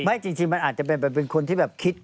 ไม่จริงมันอาจจะเป็นคนที่แบบคิด